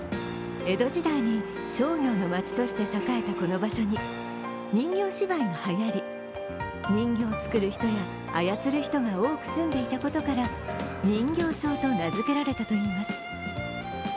江戸時代に商業の街として栄えたこの場所に人形芝居がはやり、人形を作る人や操る人が多く住んでいたことから人形町と名付けられたといいます。